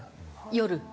夜。